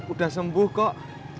udah sembuh kok